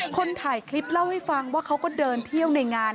คนถ่ายคลิปเล่าให้ฟังว่าเขาก็เดินเที่ยวในงาน